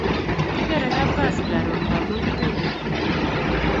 Kikere kapkasi karon ngamun kipendi kaa